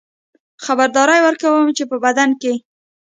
خبرداری ورکوي چې په بدن کې